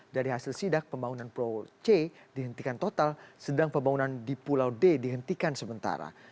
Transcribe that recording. dari hasil sidak pembangunan pulau c dihentikan total sedang pembangunan di pulau d dihentikan sementara